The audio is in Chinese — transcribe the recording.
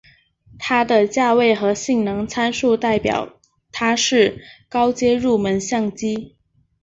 它的价位和性能参数代表它是高阶入门相机。